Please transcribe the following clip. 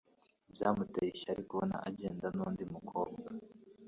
Byamuteye ishyari kubona agenda n'undi mukobwa.